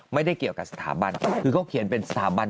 ไม่ได้เกี่ยวกับสถาบัน